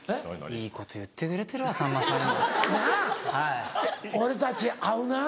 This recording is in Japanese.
いいこと言ってくれてるわさんまさん。なぁ